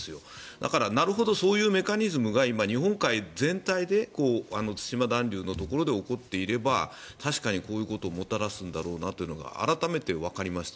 だから、なるほどそういうメカニズムが日本海全体で対馬暖流のところで起こっていれば確かにこういうことをもたらすんだろうなと改めてわかりました。